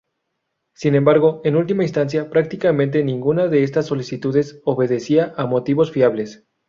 Sin embargo, en última instancia, prácticamente ninguna de estas solicitudes obedecía a motivos fiables.